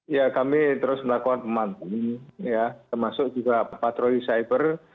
ya kami terus melakukan pemantauan ya termasuk juga patroli cyber